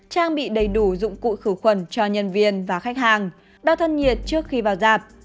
trang bị đầy đủ dụng cụ khử khuẩn cho nhân viên và khách hàng đo thân nhiệt trước khi vào dạp